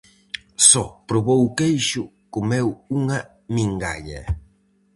Só probou o queixo, comeu unha mingalla.